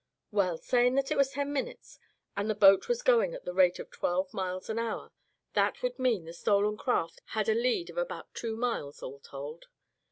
Well, saying that it was ten minutes, and the boat was going at the rate of twelve miles an hour that would mean the stolen craft had a lead of about two miles all told.